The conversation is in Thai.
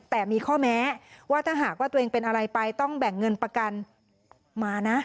แต่มีข้อแม้ว่าถ้าหากว่าตัวเองเป็นอะไรไปต้องแบ่งเงินประกันมานะ